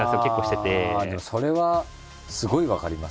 それはすごい分かります。